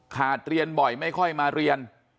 เรียนบ่อยไม่ค่อยมาเรียน